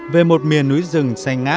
về một miền núi rừng trắng